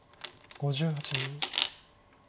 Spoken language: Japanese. ５８秒。